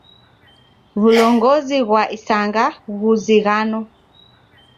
W'ulongozi ghwa isanga ghuzighano.